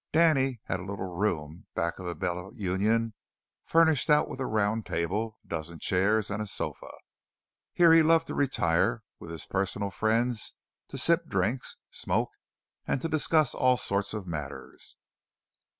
Danny had a little room back of the Bella Union furnished out with a round table, a dozen chairs, and a sofa. Here he loved to retire with his personal friends to sip drinks, smoke, and to discuss all sorts of matters.